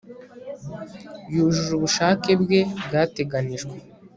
Yujuje ubushake bwe bwateganijwe